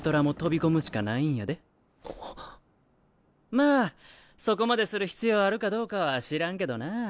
まあそこまでする必要あるかどうかは知らんけどな。